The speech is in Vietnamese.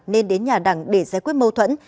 nên đến nhà đẳng để giải quyết mâu thuẫn